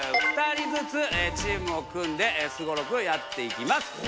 ２人ずつチームを組んですごろくをやっていきます。